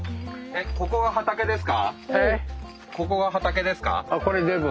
ここが畑ですか？